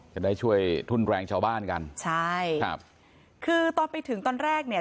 จะได้ช่วยทุ่นแรงชาวบ้านกันใช่ครับคือตอนไปถึงตอนแรกเนี่ย